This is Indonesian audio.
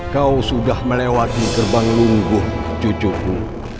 kau sudah melewati gerbang lumbuh cucuku